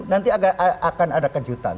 nanti akan ada kejutan